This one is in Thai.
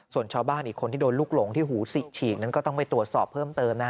ส่วนชาวบ้านอีกคนที่โดนลูกหลงที่หูฉีกนั้นก็ต้องไปตรวจสอบเพิ่มเติมนะฮะ